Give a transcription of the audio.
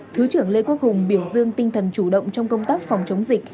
thứ trưởng lê quốc hùng biểu dương tinh thần chủ động trong công tác phòng chống dịch